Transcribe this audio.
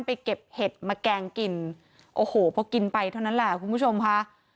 เก็บเห็ดมาแกงกินโอ้โหพอกินไปเท่านั้นแหละคุณผู้ชมค่ะ